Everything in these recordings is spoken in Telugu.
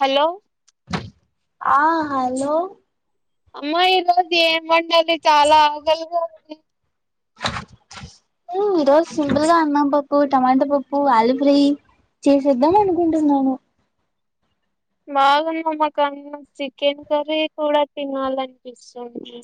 హలో ఆ హలో అమ్మా ఈ రోజు ఏం వండాలి చాలా ఆకలిగా ఉంది హుమ్ ఈరోజు సింపుల్గా అన్నంపప్పు టమాటా పప్పు అలిపిరి చేసేద్దాం అనుకుంటున్నాను బాగుందమ్మ కానీ చికెన్ కర్రీ కూడా తినాలనిపిస్తుంది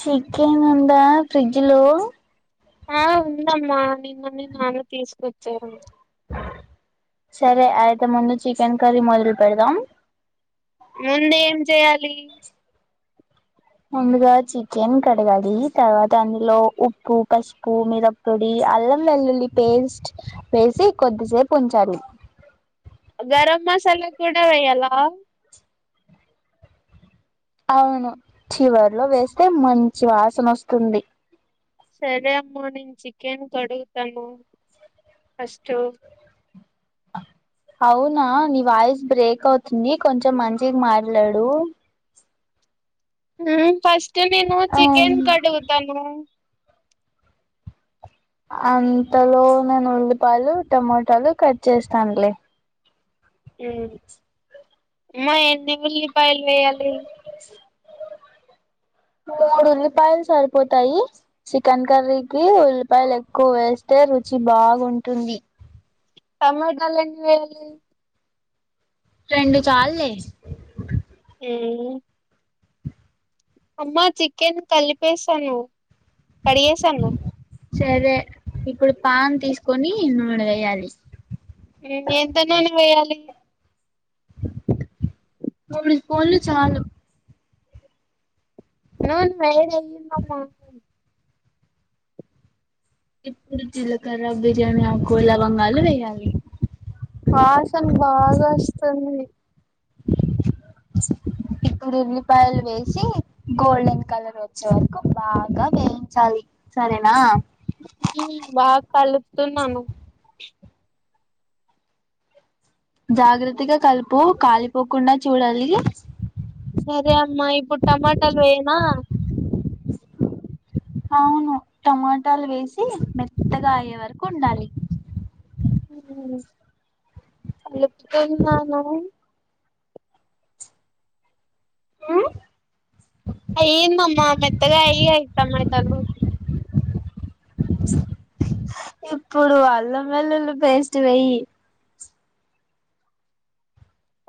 చికెన్ ఉందా ఫ్రిజ్ లో ఆ ఉందమ్మా నిన్ననే నాన్న తీసుకొచ్చారు సరే అయితే ముందు చికెన్ కర్రీ మొదలు పెడదాం ముందు ఏం చేయాలి ముందుగా చికెన్ కడగాలి తర్వాత అందులో ఉప్పు పసుపు మిరపొడి అల్లం వెల్లుల్లి పేస్ట్ వేసి కొద్దిసేపు ఉంచాలి గరం మసాలా కూడా వెయ్యాల అవును చివర్లో వేస్తే మంచి వాసన వస్తుంది సరే అమ్మ నేను చికెన్ కడుగుతాను ఫస్ట్ అవునా నీ వాయిస్ బ్రేక్ అవుతుంది కొంచెం మంచిగా మాట్లాడు హుమ్ ఫస్ట్ ఇక నేను చికెన్ కడుగుతను అంతలో నేను ఉల్లిపాయలు టమోటాలు కట్ చేస్తానలే మ్మ్ మా ఎన్ని ఉల్లి పాయలు వెయ్యాలి మూడు ఉల్లిపాయలు సరిపోతాయి చికెన్ కర్రీకి ఉల్లిపాయలు ఎక్కువ వేస్తే రుచి బాగుంటుంది టమోటలు ఎన్ని వెయ్యాలి రెండు చాల్లే మ్మ్ అమ్మా చికెన్ కలిపేశాను కడిగేసాను సరే ఇప్పుడు పాన్ తీసుకొని నూనె వెయ్యాలి మ్మ్ ఎంత నూనె వేయ్యాలి తొమ్మిది స్పూన్లు చాలు నూనె వేడి అయ్యిందమ్మ ఇప్పుడు జీలకర్ర బిర్యానీ ఆ కూలావంగాలు వేయాలి ఫెమిలీ ఉల్లిపాయలు వేసి గోల్డెన్ కలర్ వచ్చే వరకు బాగా వేయించాలి సరేనా బాగా కలుపుతున్నాను జాగ్రత్తగా కలుపు కాలిపోకుండా చూడాలి సరే అమ్మా ఇప్పుడు టమాటాలు వేనా అవును టమాటాలు వేసి మెత్తగా అయ్యే వరకు ఉండాలి అలుప్తోన్నానా ఆ అయన్ మమ్ మెత్తగా అయ అయితమ్మాదను ఇప్పుడు అల్ల మల్లులు పేస్ట్ వయ్య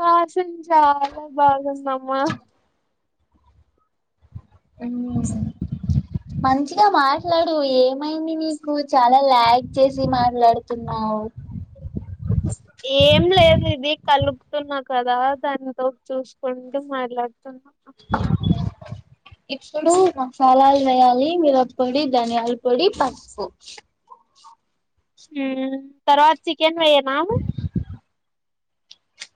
ఆ చాలా బాగుందమ్మా మంచిగా మాట్లాడు ఏమైంది నీకు చాలా లలా్యాగ్ చేసి మాట్లాడుతున్నావు ఏం లేదుది కలుపుతున్నా కదా దానితో చూసుకుం మాట్లాడుతున్నా ఇప్పుడు మసాలాలు వేయాలి మిరపొడి ధనియాల పొడి పప్పు తరువాత చ కన్వయ నాము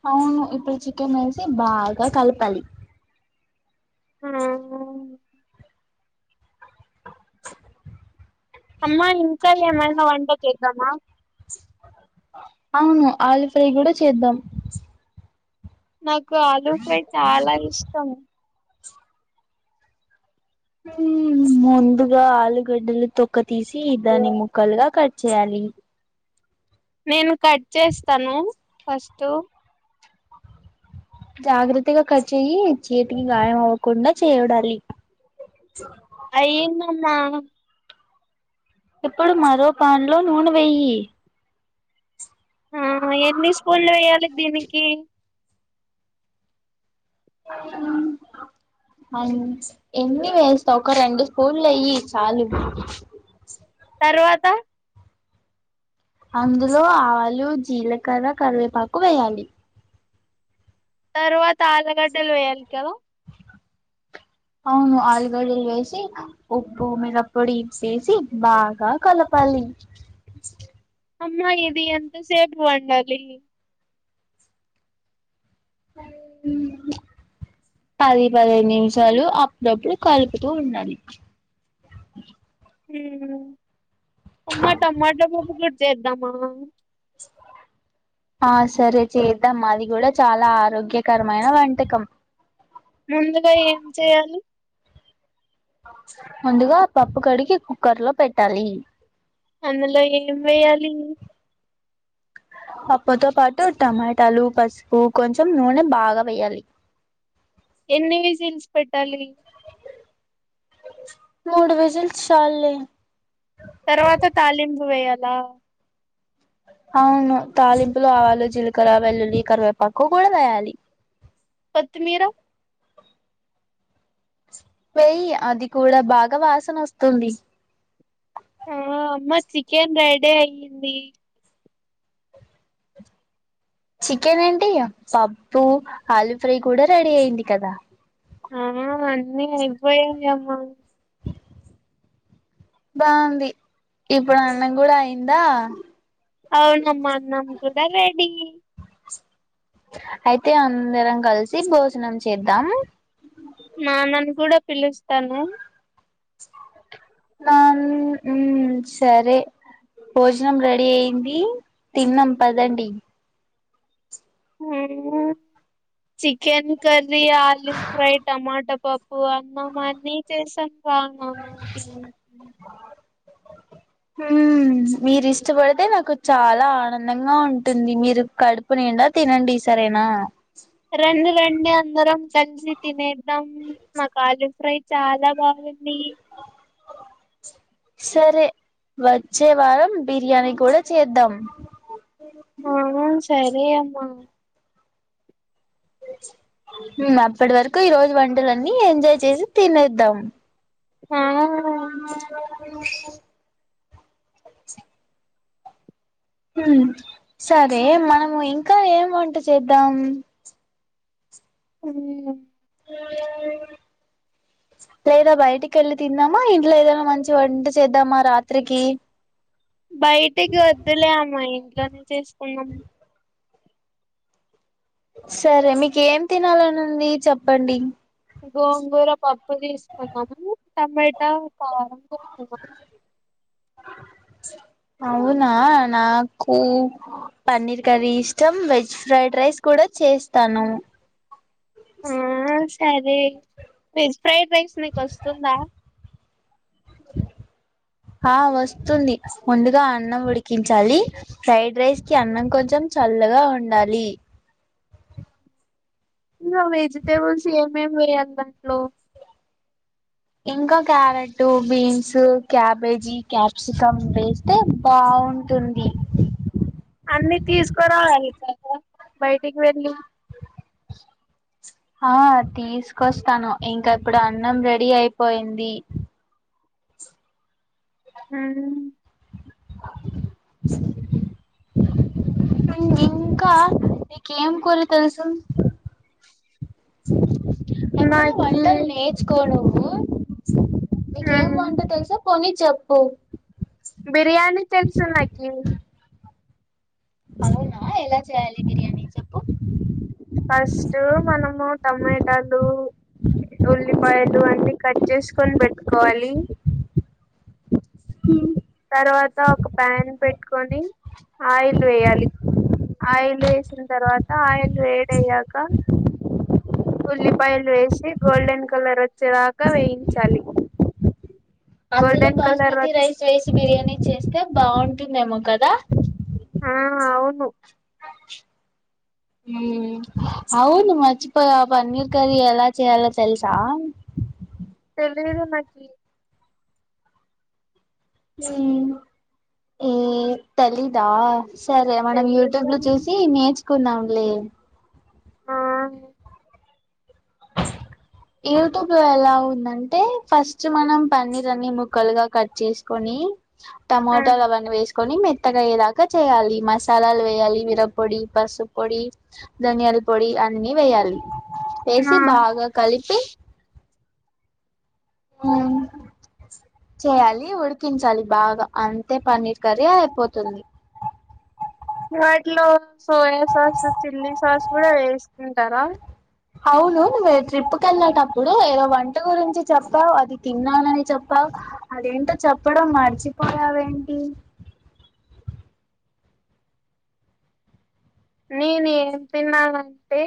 అవును ఇప్పుడు చికెన్ వేసి బాగా కలపాలి ఆ అమ్మా ఇంకా ఏమైన వంట చెద్దామా అవును ఆలి ఫ్రై కూడా చేద్దాం నాకు ఆలూ ఫ్రై చాలా ఇష్టం మ్మ్ ముందుగా ఆలుగడ్డలు తొక్కత్ తీసి దాన్ని ముక్కలుగా కట్ చేయాలి నేను కట్ చేస్తాను. ఫస్ట్ జాగ్రత్తగా కట్ చేయి చేతికి గాయం అవ్వకుండా చేయోడాలి అయ్యిందమ్మా ఇప్పుడు మరో పాన్లో నూనె వెయ్యి ఆ ఎన్ని స్పూన్లు వేయాలి దీనికి అవును ఎన్ని వేస్తావ్ ఒక రెండు స్కూన్లు ఎయ్యి చాలు తర్వాత అందులో ఆవాలు జీలకర్ర కరివేపాకు వేయాలి తరువాత ఆలగడ్డలు వేయాలి కదా అవును ఆలుగడ్డలు వేసి ఉప్పు మిరపొడి వేసి బాగా కలపాలి అమ్మా ఇది ఎంతసేపు వండాలి పది పదిహేను నిమిషాలు అప్పుడప్పుడు కలుపుతూ ఉండాలి ఊ అమ్మా టమాటో పప్పు కుడా చేద్దామా ఆ సరే చేద్దామ్ అది కూడా చాలా ఆరోగ్యకరమైన వంటకం ముందుగా ఏం చేయాలి ముందుగా పప్పు కడికి కుక్కర్ లో పెట్టాలి అందులో ఏం వేయాలి పప్పుతో పాటు టమాటాలు పసుపు కొంచెం నూనె బాగా వేయాలి ఎన్ని విజల్స్ పెట్టాలి మూడు విజిల్స్ చాల్లె తర్వాత తాలింపు వేయాల అవును తాలింపులు ఆవాలు జీలకర వెల్లుల్లి కరివేపాకు కూడా వేయాలి కొత్తిమీర వెయ్యి అది కూడా బాగా వాసన వస్తుంది ఆ అమ్మ చికెన్ రెడీ అయ్యింది చికెన్ ఏంటి పప్పు ఆలు ఫ్రై కూడా రెడీ అయింది కదా ఆ అన్నీ అయిపోయాయి అమ్మ బాగుంది ఇప్పుడు అన్నం కూడా అయిందా అవునమ్మా నమ్ కూడా రెడి అయితే అందరం కలిసి భోజనం చేద్దాం నా నన్ని కూడా పిలుస్ తను నాన్ ఊ సరే భోజనం రెడీ అయింది తిన్నాం పదండి చికెన్ కర్రీ ఆలు ఫ్రై టమాటా పప్ ప్పు అన్నము అన్నీ చేసాను రాండమ్మ తినేకి హు మీరు ఇష్టపడితే నాకు చాలా ఆనందంగా ఉంటుంది మీరు కడుపు నిండా తినండి సరేనా రండి రండి అ అందరం కలిసి తినేద్దాం మాకు అల్లు ఫ్రై చాలా బాగుంది సరే వచ్చే వారం బిర్యానీ కూడా చేద్దాం మా అప్పటి వరకు ఈ రోజు వంటలన్నీ ఎంజాయ్ చేసి తినేద్దాం ఆ ఆ హుమ్ సరే మనము ఇంకా ఏం వంట చేద్దాం హ లేదా బయటికి వెళ్ళి తిందామా ఇంట్లో ఏదైనా మంచి వంట చేద్దామా రాత్రికి బయటికి వద్దులే అమ్మాయి ఇలానే చేసుకున్నాము సరే మీక ఏం తినాలనింది చెప్పండి గోంగూర పప్పు తీసుకున్నాము టమాటా కారం తీసుకున్నాం అవునా నాకు పన్నీర్ కర్రీ ఇష్టం వెజ్ ఫ్రైడ్ రైస్ కూడా చేస్తాను ఆ సరే వెజ్ ఫ్రైడ్ రైస్ నీకు వస్తుందా ఆ వస్తుంది ముందుగా అన్నం ఉడికించాలి ఫ్రైడ్ రైస్ కి అన్నం కొంచెం చల్లగా ఉండాలి వ వెజిటెబల్స్ ఏ మేము వేయాలి దాంట్లో ఇంకా క్యారెట్ బీన్స్ క్యాబేజీ క్యాప్సికం వేస్తే బాగుంటుంది అన్ని తీసుకురావ బయటికి వెళ్ళి ఆ తీసుకొస్తాను ఇంకా ఇప్పుడు అన్నం రెడీ అయిపోయింది హ ఇ ఇంకా నీకేం కురా తెలుసు నాకి ఓ నకేం ఉమ్, వాంటా తెల్సా పనీ చెప్పు బిర్యానీ తెలుసు నాకి అవునా ఎలా చేయాలి బిర్యానీ చెప్పు ఫస్ట్ మనము టమాటాలు ఉల్లిపాయలు అన్నిీ కట్ చేసుకొని పెట్టుకోవాలి హ తర్వాత ఒక ప్యాన్ పెట్టుకొని ఆయిల్ వేయాలి ఆయిల్ వేసిన తర్వాత ఆయిల్ వేడి అయ్యాక ఉల్లిపాయలు వేసి గోల్డెన్ కలర్ వచ్చేదాకా వేయించాలి అందులో గోల్డెన్ కలర్ వ బాస్మతి రైస్ వైస్ బిర్యానీ చేస్తే బాగుంటుందేమో కదా ఆ అవును అవును మచ్చిపోయ పన్నీర్ కరీ ఎలా చేయాల తెలుసా అద నాకి ఏ తెలిదా సరే మనం యూట్యూబ్ తెలీదు లో చూసి నేచ కున్నాంలే ఆ యూట్యూబ్ లో ఎలా ఉందంటే ఫస్ట్ మనం పన్నర్ అన్ని ముక్కలుగా కట్ చేసుకొని ఆ టమాోటా వన్ వేస్ కొని మెత్తగాయే దాకా చేయాలి మసాలాలు వేయాలి మరపొడి పసుపు పొడి ధనియాల పొడి అన్ని వేయాలి వేసి ఆ బాగా కలిపి చేయాలి ఉడికించాలి బాగా అంతే పన్నీర్ కర్రీ అయిపోతుంది వాటిలో సోయా సాస్ చిల్లీ సాస్ కూడా వేసుకుంటారా అవును ట్రిప్పుకెల్లేటప్పుడు ఏదో వంట గురించి చెప్పావు అది తిన్నానని చెప్పావు అదేంటో చెప్పడం మర్చిపోయావేంటి నేనేమ్ తిన్నానంటే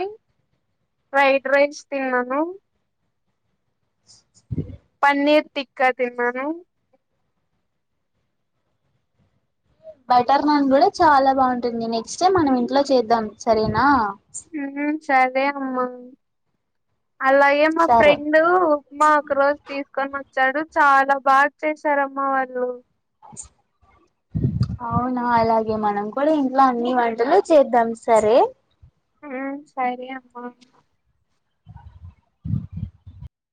ఫ్రైడ్ రైస్ తిన్నాను హ పన్నీర్ తిక్కా తిన్నాను బటర్ నాన్ కూడా చాలా బాగుంటుంది నెక్స్ట్ టైమ్ మనం ఇంట్లో చేద్దాం సరేనా ఉమ్ సరే అమ్మ అలాగే మా సరే ఫ్రెండు ఉప్మా ఒక రోజు తీసుకొని వ చరు చాలా బా చేశారమ్మా వాళ్ళు అవునా అలాగే మనం కూడా ఇంట్లో అన్ని వంటలు చేద్దాం సరే హ్మ్ సరే అమ్మా